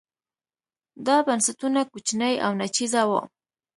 دا بنسټونه کوچني او ناچیزه وو.